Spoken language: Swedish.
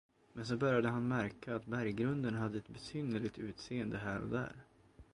Men så började han märka, att berggrunden hade ett besynnerligt utseende här och där.